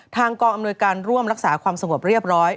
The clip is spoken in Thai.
ทางกองอำนวยการร่วมรักษาความสงบเรียบร้อย